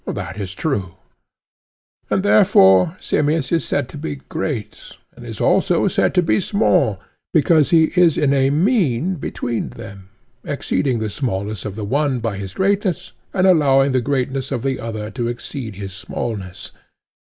That is true. And therefore Simmias is said to be great, and is also said to be small, because he is in a mean between them, exceeding the smallness of the one by his greatness, and allowing the greatness of the other to exceed his smallness.